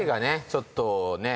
ちょっとね。